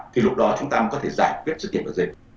thì lúc đó chúng ta có thể giải quyết sự kiện bệnh dịch